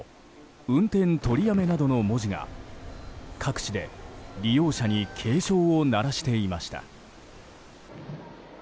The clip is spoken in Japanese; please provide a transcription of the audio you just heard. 運転取りやめなどの文字が各地で利用者に警鐘を鳴らしていました。